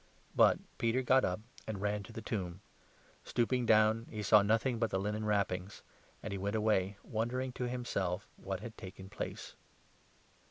[But Peter got up and ran to the tomb. Stooping down he 12 saw nothing but the linen wrappings, and he went away, wondering to himself at what had taken place.